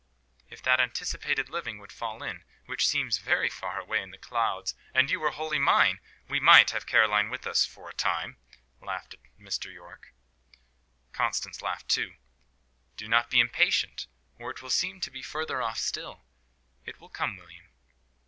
"If that anticipated living would fall in, which seems very far away in the clouds, and you were wholly mine, we might have Caroline with us for a time," laughed Mr. Yorke. Constance laughed too. "Do not be impatient, or it will seem to be further off still. It will come, William."